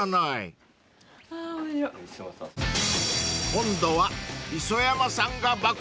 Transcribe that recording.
［今度は］